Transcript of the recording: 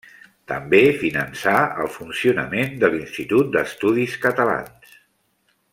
També finançà el funcionament de l'Institut d'Estudis Catalans.